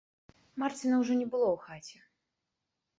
Марціна ўжо не было ў хаце.